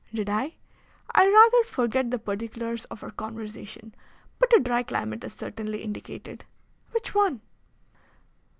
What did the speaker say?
"Did I? I rather forget the particulars of our conversation. But a dry climate is certainly indicated." "Which one?"